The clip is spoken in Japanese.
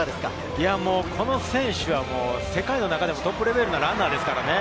この選手は世界の中でもトップレベルのランナーです。